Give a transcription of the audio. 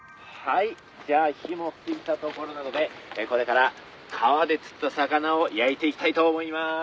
「はいじゃあ火もついたところなのでこれから川で釣った魚を焼いていきたいと思いまーす」